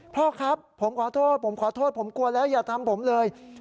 พ่อครับผมขอโทษผมขอโทษผมกลัวแล้วอย่าทำผมเลย